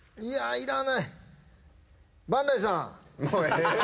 いらない。